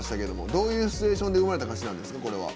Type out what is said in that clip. どういうシチュエーションで生まれた歌詞なんですか？